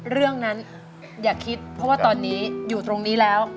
เรื่องนั้นอย่าคิดเพราะว่าตอนนี้อยู่ตรงนี้แล้ว